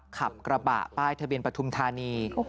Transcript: ขับกระบะแป้งตะเบียนปทุมธรรมณี